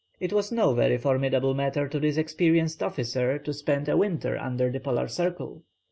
It was no very formidable matter to this experienced officer to spend a winter under the Polar circle.